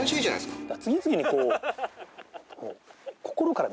次々にこううん。